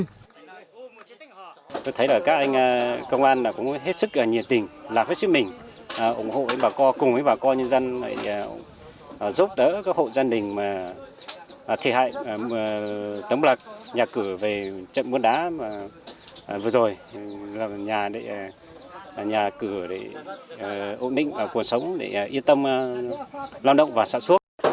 tôi thấy các anh công an cũng hết sức nhiệt tình lạc hết sức mình ủng hộ với bà co cùng với bà co nhân dân giúp đỡ các hộ dân đình thi hại tấm lạc nhà cửa về trận muôn đá vừa rồi là nhà cửa để ổn định cuộc sống để yên tâm lao động và sản xuất